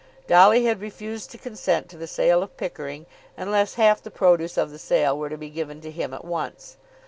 Dolly had refused to consent to the sale of Pickering unless half the produce of the sale were to be given to him at once.